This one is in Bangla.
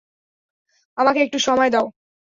আমাকে একটু সময় দাও।